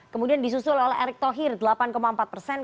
kemudian disusul oleh erick thohir delapan empat persen